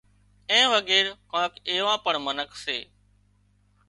اين وڳير ڪانڪ ايوان پڻ منک سي